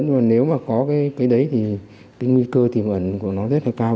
nhưng mà nếu mà có cái đấy thì cái nguy cơ tiềm ẩn của nó rất là cao